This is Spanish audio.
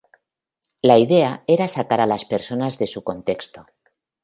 La idea era sacar a las personas de su contexto.